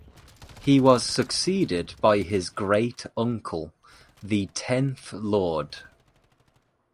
He was succeeded by his great-uncle, the tenth Lord.